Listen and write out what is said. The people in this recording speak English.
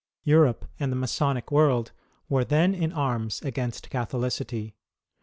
Europe and the Masonic world were then in arms against Catholicity.